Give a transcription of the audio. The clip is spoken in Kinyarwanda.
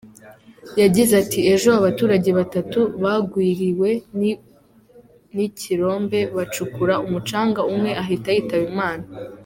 Yagize ati “ Ejo abaturage batatu bagwiriwe n’ikirombe bacukura umucanga, umwe ahita yitaba Imana.